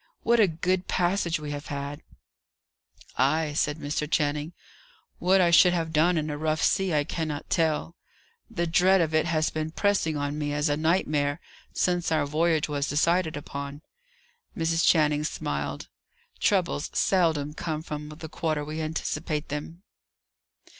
What a good passage we have had!" "Ay," said Mr. Channing. "What I should have done in a rough sea, I cannot tell. The dread of it has been pressing on me as a nightmare since our voyage was decided upon." Mrs. Channing smiled. "Troubles seldom come from the quarter we anticipate them."